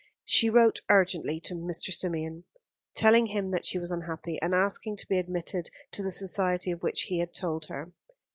She wrote urgently to Mr. Symeon, telling him that she was unhappy, and asking to be admitted to the society of which he had told her.